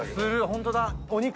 ホントだ。